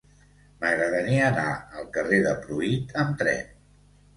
M'agradaria anar al carrer de Pruit amb tren.